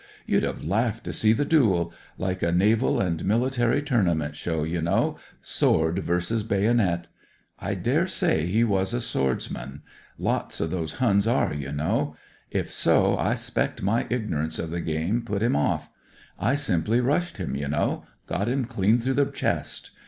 You'd have laughed to see the duel ; like a Naval and Military Tournament show, you know — sword versus bayonet. I daresay he was a swordsman. Lots of these Huns are, you know. If so, I *spect my ignorance of the game put him 128 BROTHERS OF THE PARSONAGE off. I simply rushed him, you know; got him clean through the chest.